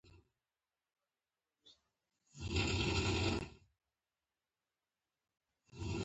په وروسته کې دوه بیتونه څلور سېلابه توپیر لري.